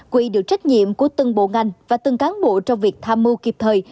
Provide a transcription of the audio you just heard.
quy được trách nhiệm của từng bộ ngành và từng cán bộ trong việc tham mưu kịp thời